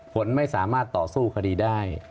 ฝนไม่สามารถต่อสู้คดีได้